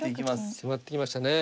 迫ってきましたね。